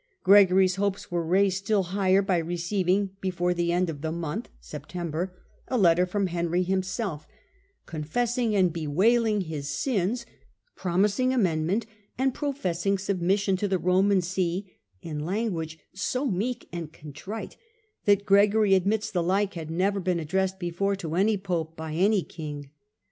Gregory's hopes were raised still higher » by receiving before the end of the month (September) a letter from Henry himself, confessing and bewailing " his sins, promising amendment, and professing submis sion to the Roman See in language so meek and con trite that Gregory admits the like had never been addressed before to any pope by any king.